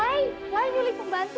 woy nyulik pembantu